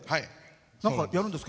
何かやるんですか？